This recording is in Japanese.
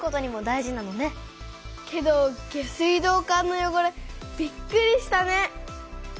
けど下水道管のよごれびっくりしたね。